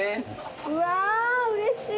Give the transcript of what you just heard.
うわうれしい。